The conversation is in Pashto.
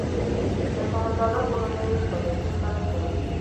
د شهزاده کورنۍ یې پلوی ورسره کوي.